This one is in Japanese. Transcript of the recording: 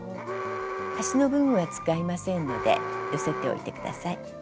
端の部分は使いませんので寄せておいて下さい。